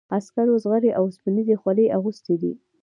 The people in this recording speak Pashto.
عسکرو زغرې او اوسپنیزې خولۍ اغوستي دي.